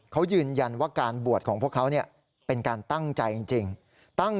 เขายืนยันว่าการบวชของพวกเขาเนี่ยเป็นการตั้งใจจริง